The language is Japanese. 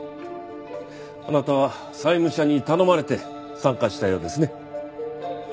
あなたは債務者に頼まれて参加したようですね。